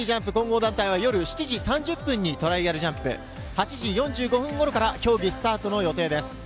スキージャンプ混合団体は夜７時３０分にトライアルジャンプ、８時４５分頃から競技スタートの予定です。